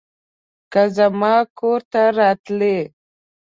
که زما کور ته راتلې